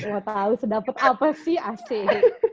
mau tau sedapet apa sih asik